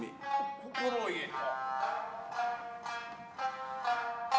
心得た。